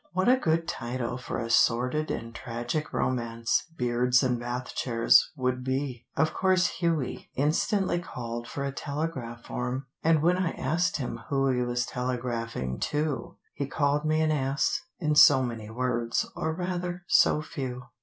What a good title for a sordid and tragic romance 'Beards and Bath chairs' would be. Of course Hughie instantly called for a telegraph form, and when I asked him who he was telegraphing to, he called me an ass, in so many words, or rather so few.